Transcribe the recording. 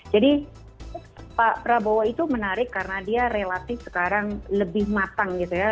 jadi pak prabowo itu menarik karena dia relatif sekarang lebih matang gitu ya